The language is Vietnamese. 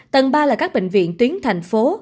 tầng ba là các bệnh viện tuyến thành phố